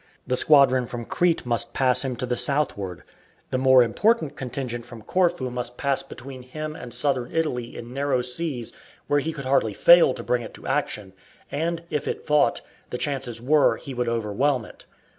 The squadron from Crete must pass him to the southward; the more important contingent from Corfu must pass between him and Southern Italy in narrow seas where he could hardly fail to bring it to action, and if it fought, the chances were he would overwhelm it.